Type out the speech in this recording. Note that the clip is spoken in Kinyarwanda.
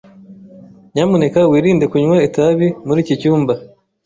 Nyamuneka wirinde kunywa itabi muri iki cyumba.